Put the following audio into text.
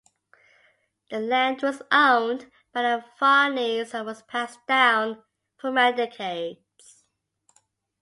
The land was owned by the Farney's and was passed down for many decades.